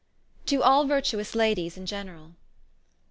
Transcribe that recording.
To all vertuous Ladies in generall.